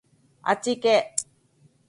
あっちいけ